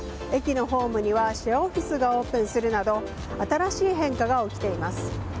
駅のホームにはシェアオフィスがオープンするなど新しい変化が起きています。